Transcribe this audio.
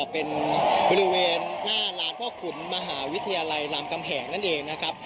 เป็นบริเวณหน้าลานพ่อขุนมหาวิทยาลัยรามกำแหงนั่นเองนะครับ